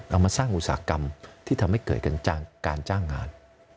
เอามาสร้างอุตสาหกรรมที่ทำให้เกิดการจ้างงาน